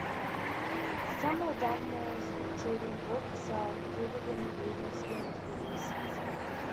Some of Dunmore's children's books are included in reading schemes for use in schools.